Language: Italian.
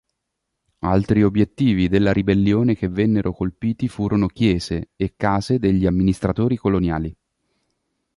Altri obiettivi della ribellione che vennero colpiti furono chiese, e case degli amministratori coloniali.